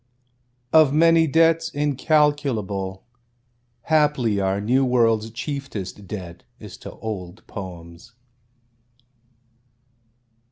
(Of many debts incalculable, Haply our New World's chieftest debt is to old poems.)